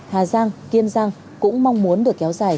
hà giang kiên giang cũng mong muốn được kéo dài